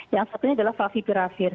yang satunya adalah vavipiravir